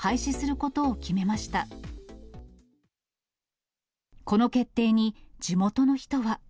この決定に、地元の人は。